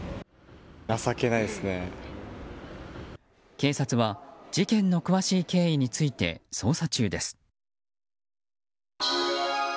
警察は事件の詳しい経緯について捜査中です。